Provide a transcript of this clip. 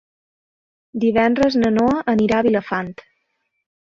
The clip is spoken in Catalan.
Divendres na Noa anirà a Vilafant.